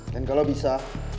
dan kalau bisa